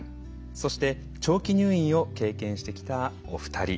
そして長期入院を経験してきたお二人。